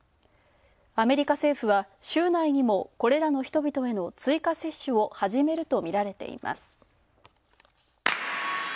アメリカ政府は週内にもこれらの人々への追加接種を始めるとみられています。